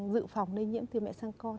dự phòng nơi nhiễm từ mẹ sang con